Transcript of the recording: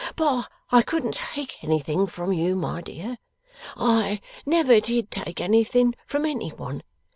But I couldn't take anything from you, my dear. I never did take anything from any one.